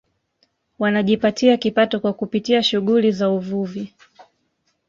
Wanajipatia kipato kwa kupitia shughuli za uvuvi